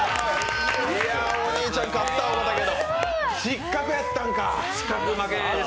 お兄ちゃん、勝ったと思たけど失格やったんか。